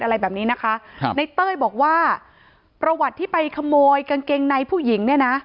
อะไรแบบนี้นะคะครับในเต้ยบอกว่าประวัติที่ไปขโมยกางเกงในผู้หญิงเนี่ยนะ